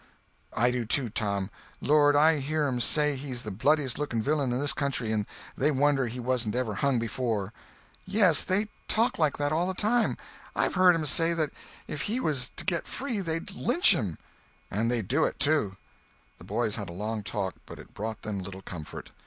"I do too, Tom. Lord, I hear 'em say he's the bloodiest looking villain in this country, and they wonder he wasn't ever hung before." "Yes, they talk like that, all the time. I've heard 'em say that if he was to get free they'd lynch him." "And they'd do it, too." The boys had a long talk, but it brought them little comfort.